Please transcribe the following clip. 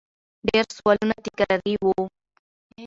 ډېر سوالونه تکراري وو